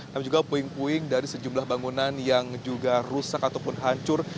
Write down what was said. tapi juga puing puing dari sejumlah bangunan yang juga rusak ataupun hancur